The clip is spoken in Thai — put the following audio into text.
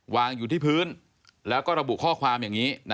วางอยู่ที่พื้นแล้วก็ระบุข้อความอย่างนี้